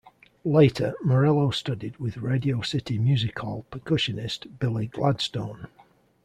Later, Morello studied with Radio City Music Hall percussionist Billy Gladstone.